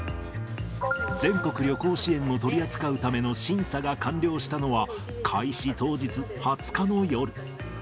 全国旅行支援を取り扱うための審査が完了したのは、開始当日、２０日の夜。